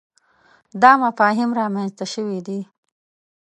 دا مفاهیم رامنځته شوي دي.